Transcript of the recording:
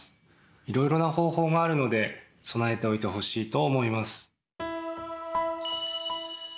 いろいろな方法があるので備えておいてほしいと思います。